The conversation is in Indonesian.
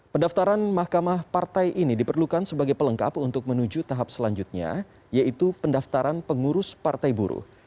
pendaftaran mahkamah partai ini diperlukan sebagai pelengkap untuk menuju tahap selanjutnya yaitu pendaftaran pengurus partai buruh